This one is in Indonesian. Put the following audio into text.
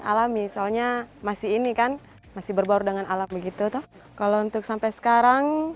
alami soalnya masih ini kan masih berbaur dengan alam begitu kalau untuk sampai sekarang